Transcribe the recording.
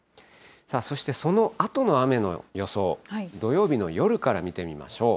そしてそのあとの雨の予想、土曜日の夜から見てみましょう。